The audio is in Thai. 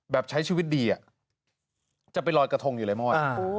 ใช้ชีวิตดีจะไปลอยกระทงอยู่เลยมอด